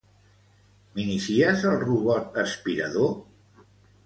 M'inicies el robot aspirador?